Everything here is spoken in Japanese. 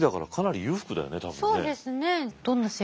そうですね。